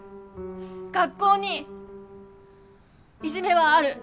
学校にいじめはある。